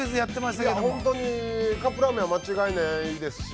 ◆本当にカップラーメンは間違いないですし。